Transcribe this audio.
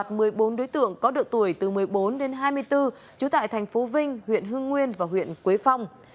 loạt một mươi bốn đối tượng có được tuổi từ một mươi bốn đến hai mươi bốn chú tại tp vinh huyện hương nguyên và huyện quế phong